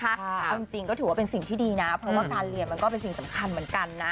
เอาจริงก็ถือว่าเป็นสิ่งที่ดีนะเพราะว่าการเรียนมันก็เป็นสิ่งสำคัญเหมือนกันนะ